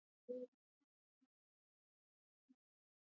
ازادي راډیو د اقتصاد په اړه د خلکو پوهاوی زیات کړی.